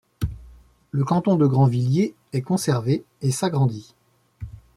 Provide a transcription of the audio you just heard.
Le canton de Grandvilliers est conservé et s'agrandit.